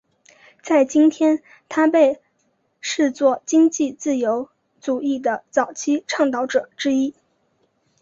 在今天他被视作经济自由主义的早期倡导者之一。